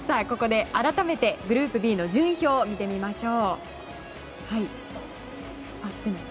ここで改めてグループＢの順位表を見てみましょう。